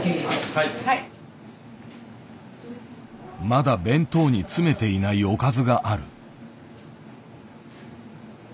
まだ弁当に詰めていないおかずがある。